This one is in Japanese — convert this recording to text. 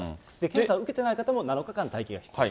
検査を受けてない方も７日間待機が必要。